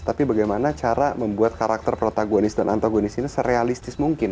tapi bagaimana cara membuat karakter protagonis dan antagonis ini serealistis mungkin